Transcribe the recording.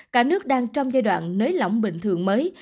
cả nước đang trong giai đoạn nới lỏng bình thường mới